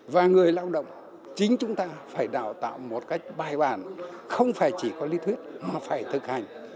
và người lao động chính chúng ta phải đào tạo một cách bài bản không phải chỉ có lý thuyết mà phải thực hành